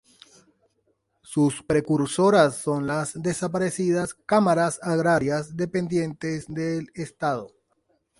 Sus precursoras son las desaparecidas "Cámaras Agrarias", dependientes del Estado.